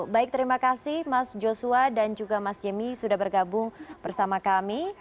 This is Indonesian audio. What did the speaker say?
baik terima kasih mas joshua dan juga mas jemi sudah bergabung bersama kami